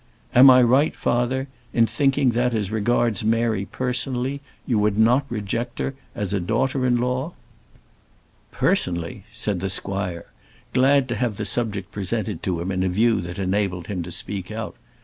Am I right, father, in thinking that, as regards Mary, personally, you would not reject her as a daughter in law?" "Personally!" said the squire, glad to have the subject presented to him in a view that enabled him to speak out.